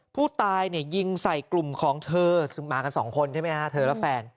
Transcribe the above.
ผู้ตายเนี่ยยิงใส่กลุ่มของเธอมากันสองคนใช่ไหมฮะเธอและแฟน